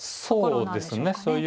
そうですね。